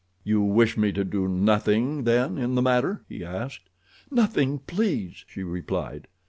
"You wish me to do nothing, then, in the matter?" he asked. "Nothing, please," she replied.